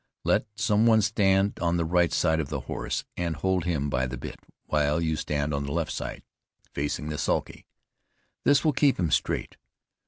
Let some one stand on the right side of the horse, and hold him by the bit, while you stand on the left side, facing the sulky. This will keep him straight.